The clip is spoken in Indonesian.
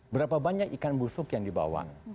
berapa banyak ikan busuk yang dibawa